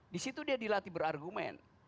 di situ dia dilatih berargumen